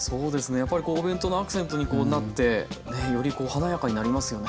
やっぱりこうお弁当のアクセントにこうなってよりこう華やかになりますよね。